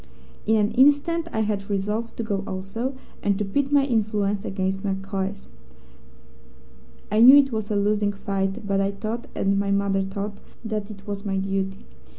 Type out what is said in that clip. In an instant I had resolved to go also, and to pit my influence against MacCoy's. I knew it was a losing fight, but I thought, and my mother thought, that it was my duty.